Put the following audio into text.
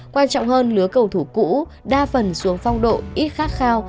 quan trọng hơn lứa cầu thủ cũ đa phần xuống phong độ ít khát khao